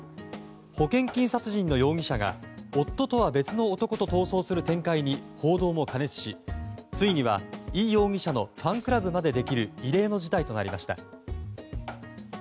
保険金殺人の容疑者が夫とは別の男と逃走する展開に報道も過熱しついには、イ容疑者のファンクラブまでできる異例の事態となりました。